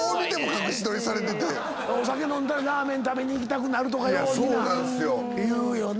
お酒飲んだらラーメン食べに行きたくなるとか皆言うよね。